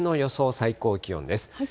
最高気温です。